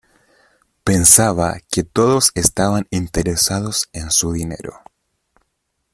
Pensaba que todos estaban interesados en su dinero.